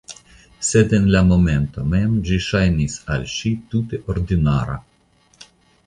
Sed en la momento mem, ĝi ŝajnis al ŝi tute ordinara.